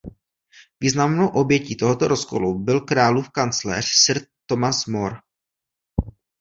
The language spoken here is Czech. Významnou obětí tohoto rozkolu byl králův kancléř sir Thomas More.